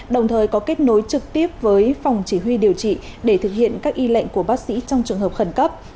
đồng thời có kết nối trực tiếp với phòng chỉ huy điều trị để thực hiện các y lệnh của bác sĩ trong trường hợp khẩn cấp